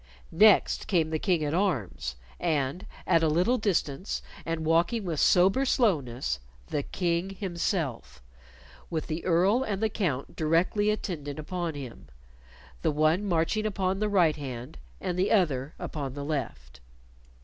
Next came the King at arms and, at a little distance and walking with sober slowness, the King himself, with the Earl and the Count directly attendant upon him the one marching upon the right hand and the other upon the left.